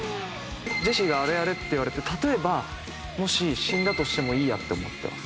ジェシーに「あれやれ」って言われて例えばもし死んだとしてもいいやって思ってます。